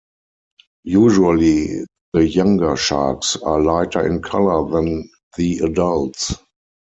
Usually the younger sharks are lighter in color than the adults.